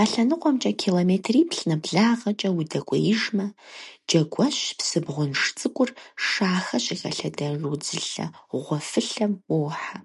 А лъэныкъуэмкӀэ километриплӀ нэблагъэкӀэ удэкӀуеижмэ, Джэгуэщ псы бгъунж цӀыкӀур Шахэ щыхэлъэдэж удзылъэ гъуэфылъэм уохьэ.